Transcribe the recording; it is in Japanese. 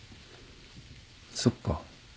そっか。